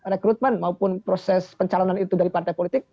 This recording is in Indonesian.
rekrutmen maupun proses pencalonan itu dari partai politik